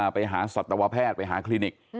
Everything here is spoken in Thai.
ไปหาสัตวแพทย์ไปหาคลินิก